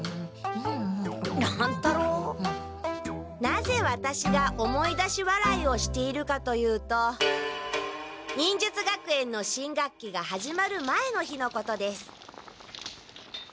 なぜワタシが思い出し笑いをしているかと言うと忍術学園の新学期が始まる前の日のことです。